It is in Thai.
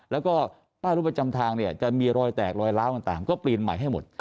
แล้วก็ป้ายรถประจำทางเนี่ยจะมีรอยแตกรอยล้าวต่างก็เปลี่ยนใหม่ให้หมด